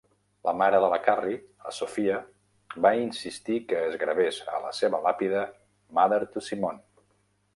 La mare de la Carrie, la Sophia, va insistir que es gravés a la seva làpida "mother to Simone".